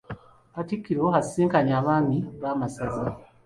Katikkiro asisinkanye Abaami b'amasaza.